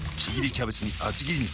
キャベツに厚切り肉。